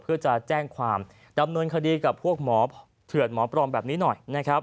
เพื่อจะแจ้งความดำเนินคดีกับพวกหมอเถื่อนหมอปลอมแบบนี้หน่อยนะครับ